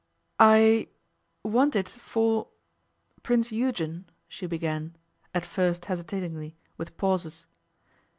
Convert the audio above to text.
'I want it for Prince Eugen,' she began, at first hesitatingly, with pauses.